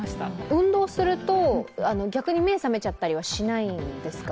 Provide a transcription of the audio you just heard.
運動すると逆に目が覚めちゃったりはしないんですか？